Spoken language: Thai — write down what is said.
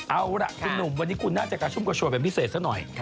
เอาล่ะคุณหนุ่มวันนี้คุณน่าจะกระชุ่มกระชวยเป็นพิเศษซะหน่อย